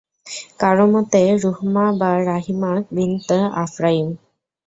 কারও মতে, রুহমাহ বা রাহিমাহ বিনত আফরাইম।